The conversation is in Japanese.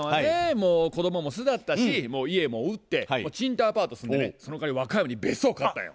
もう子供も巣立ったしもう家も売って賃貸アパート住んでねそのかわり和歌山に別荘買ったんや。